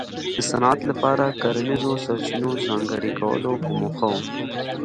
د صنعت لپاره کرنیزو سرچینو ځانګړي کولو په موخه و.